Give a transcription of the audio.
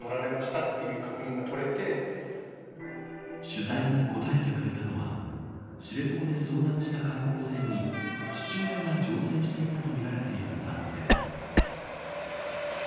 取材に答えてくれたのは知床で遭難した観光船に父親が乗船していたとみられている男性。